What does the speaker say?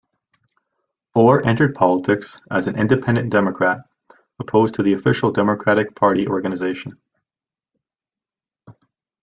Orr entered politics as an "independent Democrat", opposed to the official Democratic Party organization.